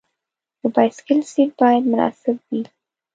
د بایسکل سیټ باید مناسب وي.